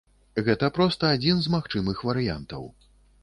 Гэта проста адзін з магчымых варыянтаў.